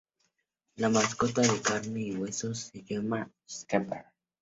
La mascota de carne y hueso se llama "Skeeter".